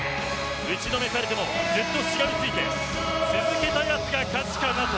打ちのめされてもずっと、しがみついて続けたやつが勝ちかなと。